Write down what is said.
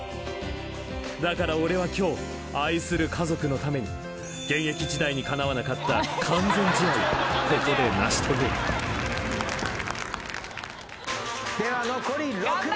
［だから俺は今日愛する家族のために現役時代にかなわなかった完全試合をここで成し遂げる］では残り６秒です。